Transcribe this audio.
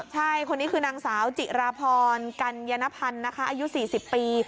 ใช่คนนี้คือนางสาวจิราพรกัญญพันธ์นะคะอายุ๔๐ปี